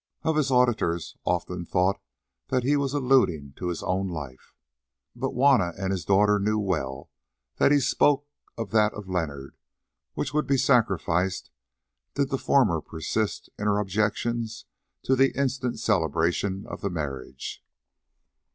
Of his auditors Olfan thought that he was alluding to his own life, but Juanna and his daughter knew well that he spoke of that of Leonard, which would be sacrificed did the former persist in her objections to the instant celebration of the marriage.